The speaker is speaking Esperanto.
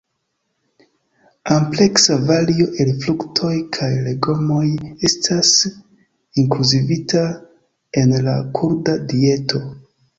Ampleksa vario el fruktoj kaj legomoj estas inkluzivita en la kurda dieto.